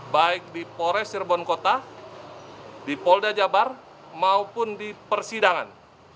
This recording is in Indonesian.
baik di polres sirbonkota di polda jabar maupun di persidangan